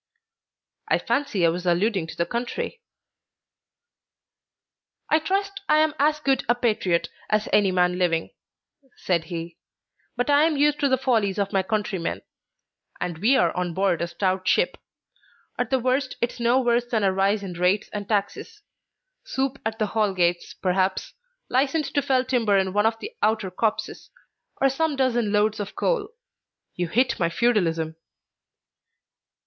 "I fancy I was alluding to the country." "I trust I am as good a patriot as any man living," said he; "but I am used to the follies of my countrymen, and we are on board a stout ship. At the worst it's no worse than a rise in rates and taxes; soup at the Hall gates, perhaps; license to fell timber in one of the outer copses, or some dozen loads of coal. You hit my feudalism."